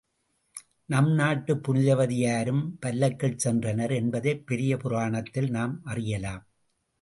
நம் நாட்டுப் புனிதவதியாரும் பல்லக்கில் சென்றனர் என்பதைப் பெரிய புராணத்தால் நாம் அறியலாம்.